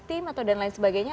tim atau dan lain sebagainya